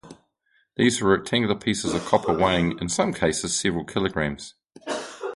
These were rectangular pieces of copper weighing, in some cases, several kilograms.